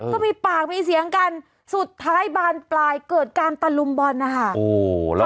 ก็มีปากมีเสียงกันสุดท้ายบานปลายเกิดการตะลุมบอลนะคะ